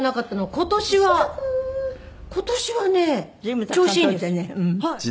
今年は今年はね調子いいんですよ。